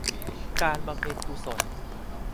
การบำเพ็ญกุศล